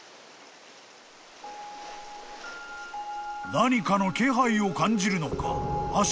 ［何かの気配を感じるのか］